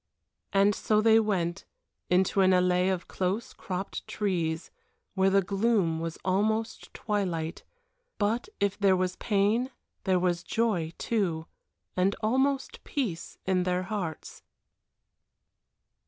And so they went into an allée of close, cropped trees, where the gloom was almost twilight; but if there was pain there was joy too, and almost peace in their hearts.